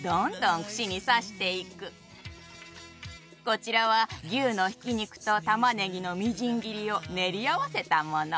こちらは牛のひき肉とたまねぎのみじん切りを練り合わせたもの。